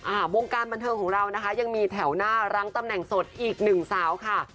วงการบันเทิงของเรานะคะยังมีแถวหน้ารั้งตำแหน่งสดอีกหนึ่งสาวค่ะ